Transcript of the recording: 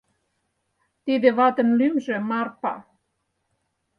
Тиде ватын лӱмжӧ Марпа.